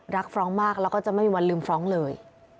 ฟ้องมากแล้วก็จะไม่มีวันลืมฟ้องเลย